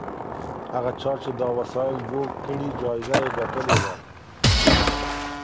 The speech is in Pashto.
هغه چا چې دا وسایل جوړ کړي جایزه یې ګټلې ده.